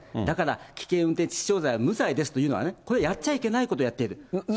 だから危険運転致死傷罪は無罪ですというのは、これやっちゃいけないことやっている。